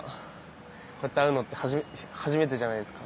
こうやって会うのって初めてじゃないですか。